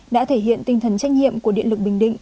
đã thể hiện tinh thần trách nhiệm của điện lực bình định